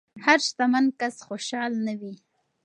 هر شتمن کس خوشحال نه وي.